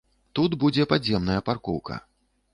Тут будзе падземная паркоўка.